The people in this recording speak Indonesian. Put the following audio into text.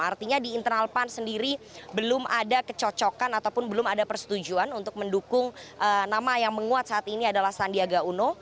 artinya di internal pan sendiri belum ada kecocokan ataupun belum ada persetujuan untuk mendukung nama yang menguat saat ini adalah sandiaga uno